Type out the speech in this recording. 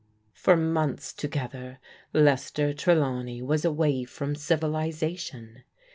For months together, Lester Trelawney was away from civilization.